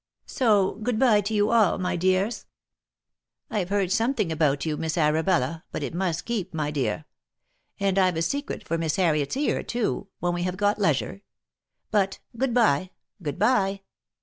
So, good by to you all, my dears ! I've heard something about you, Miss Arabella, but it must keep, my dear ; and I've a secret for Miss Harriet's ear, too, when we have got leisure. But, good by, good by !